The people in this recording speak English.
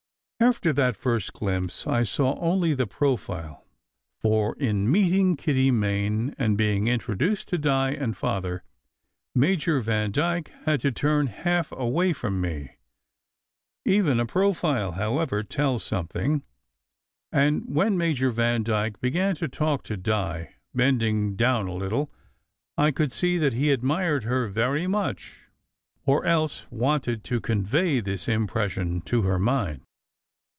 After that first glimpse I saw only the profile, for in meeting Kitty Main and being introduced to Di and Father, Major Vandyke had to turn half away from me. Even a profile, however, tells something; and when Major Vandyke began to talk to Di, bending down a little, I could see that he admired her very much, or else wanted to convey this impression to her mind.